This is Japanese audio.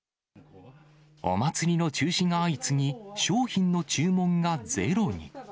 お祭りの中止が相次ぎ、商品の注文がゼロに。